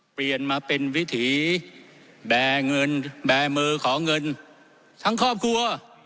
เปลี่ยนมาเป็นวิถีแบมือของเงินทั้งครอบครัว